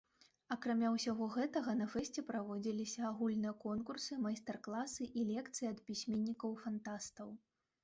Акрамя ўсяго гэтага на фэсце праводзіліся агульныя конкурсы, майстар-класы і лекцыі ад пісьменнікаў-фантастаў.